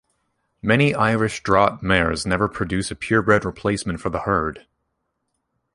Many Irish Draught mares never produce a purebred replacement for the herd.